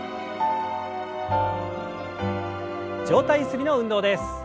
上体ゆすりの運動です。